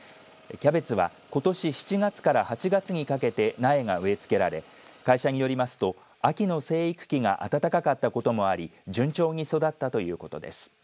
キャベツはことし７月から８月にかけて苗が植えつけられ会社によりますと秋の生育期が暖かかったこともあり順調に育ったということです。